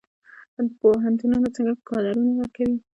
پوهنتونونه څنګه کادرونه ورکوي؟